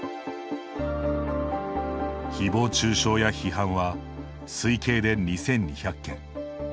ひぼう中傷や批判は推計で２２００件。